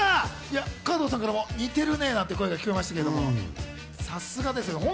加藤さんからも似てるねという声が聞こえましたけれども、さすがですよ。